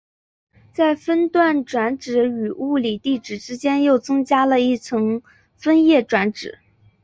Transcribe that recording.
在分段转址与物理地址之间又增加了一层分页转址。